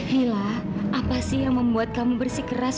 mila apa sih yang membuat kamu bersih keras